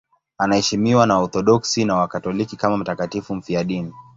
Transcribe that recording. Anaheshimiwa na Waorthodoksi na Wakatoliki kama mtakatifu mfiadini.